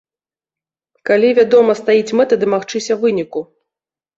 Калі, вядома, стаіць мэта дамагчыся выніку.